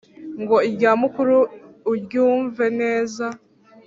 ngo irya mukuru uryumve neza,